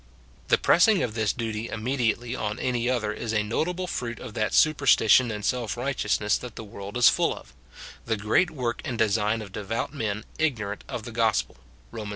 The pressing of this duty immediately on any other is a no table fruit of that superstition and self righteousness that the world is full of, — the great work and design of de vout men ignorant of the gospel, Rom. x.